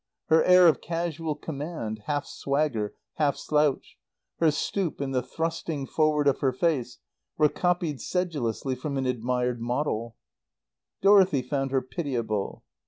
Her air of casual command, half swagger, half slouch, her stoop and the thrusting forward of her face, were copied sedulously from an admired model. Dorothy found her pitiable.